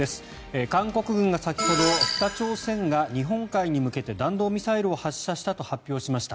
韓国軍が先ほど北朝鮮が日本海に向けて弾道ミサイルを発射したと発表しました。